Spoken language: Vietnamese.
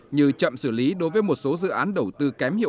như chậm xử lý đối với một số dự án đầu tư kém hiệu